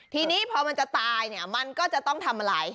ทีนี้พอมันจะตายเนี่ยมันก็จะต้องทำอะไร